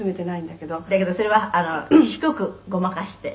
「だけどそれは低くごまかして」